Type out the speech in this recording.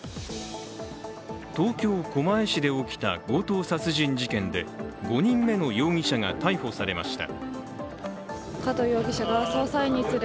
東京・狛江市で起きた強盗殺人事件で５人目の容疑者が逮捕されました。